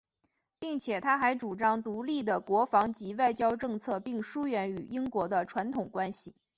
并且他还主张独立的国防及外交政策并疏远与英国的传统关系。